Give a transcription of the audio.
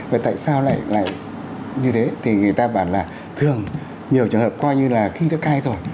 và tại sao lại lại như thế thì người ta bảo là thường nhiều trường hợp coi như là khi nó cai rồi